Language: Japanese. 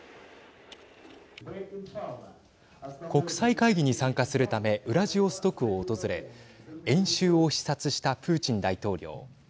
国際会議に参加するためウラジオストクを訪れ演習を視察したプーチン大統領。